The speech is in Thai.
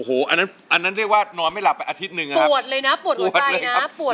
โอ้โหอันนั้นอันนั้นเรียกว่านอนไม่หลับไปอาทิตย์หนึ่งอ่ะปวดเลยนะปวดหัวใจนะปวด